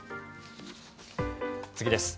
次です。